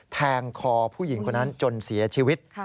แทงคอผู้หญิงคนนั้นจนเสียชีวิต